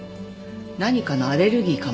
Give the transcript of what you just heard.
何かのアレルギーかも。